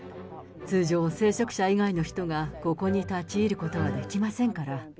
通常、聖職者以外の人がここに立ち入ることはできませんから。